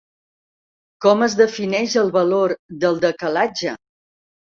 Com es defineix el valor del decalatge?